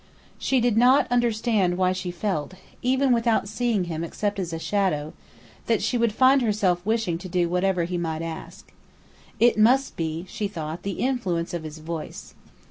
She did not understand why she felt even without seeing him except as a shadow that she would find herself wishing to do whatever he might ask. It must be, she thought, the influence of his voice.